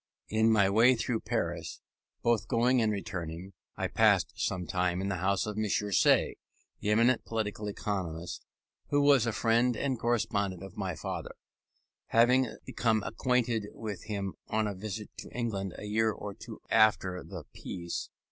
In my way through Paris, both going and returning, I passed some time in the house of M. Say, the eminent political economist, who was a friend and correspondent of my father, having become acquainted with him on a visit to England a year or two after the Peace.